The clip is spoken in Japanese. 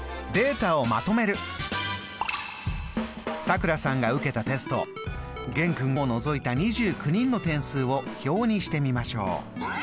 さくらさんが受けたテスト玄君を除いた２９人の点数を表にしてみましょう。